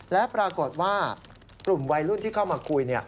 และปรากฏว่ากลุ่มวัยรุ่นที่เข้ามาคุย